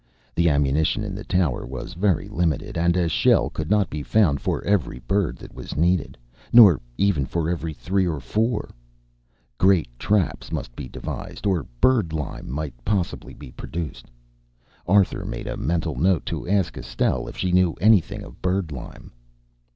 The ammunition in the tower was very limited, and a shell could not be found for every bird that was needed, nor even for every three or four. Great traps must be devised, or bird lime might possibly be produced. Arthur made a mental note to ask Estelle if she knew anything of bird lime.